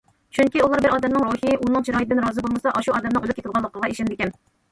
چۈنكى ئۇلار بىر ئادەمنىڭ روھى ئۇنىڭ چىرايىدىن رازى بولمىسا، ئاشۇ ئادەمنىڭ ئۆلۈپ كېتىدىغانلىقىغا ئىشىنىدىكەن.